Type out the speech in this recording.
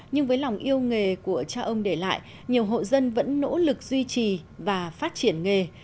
nhưng với lòng yêu nghề của cha ông để lại nhiều hộ dân vẫn nỗ lực duy trì và phát triển nghề